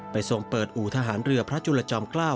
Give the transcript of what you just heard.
ทรงเปิดอู่ทหารเรือพระจุลจอมเกล้า